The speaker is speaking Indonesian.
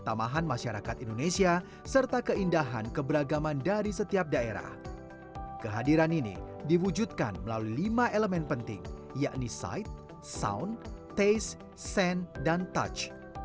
dengan wajah baru hotel indonesia group menargetkan menjadi hotel operator terbesar ketiga dengan mengoperasikan lebihan dan kekuatan